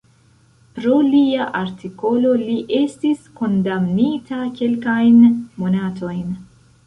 Pro lia artikolo li estis kondamnita kelkajn monatojn.